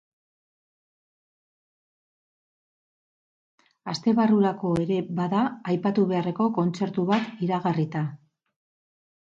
Aste barrurako ere bada aipatu beharreko kontzertu bat iragarrita.